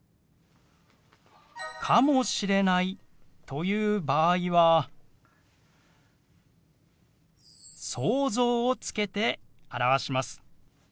「かもしれない」と言う場合は「想像」をつけて表します。